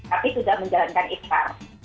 tapi tidak menjalankan ikhtar